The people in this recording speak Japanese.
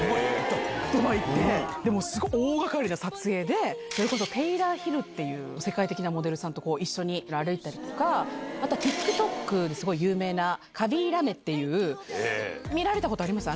ドバイ行って、すごい大がかりな撮影で、それこそテイラー・ヒルっていう世界的なモデルさんと一緒に歩いたりとか、また、ＴｉｋＴｏｋですごい有名なカビー・ラメっていう、見られたことあります？